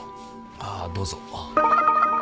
ああどうぞ。